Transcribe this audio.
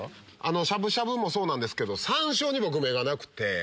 しゃぶしゃぶもそうなんですけど山椒に僕目がなくて。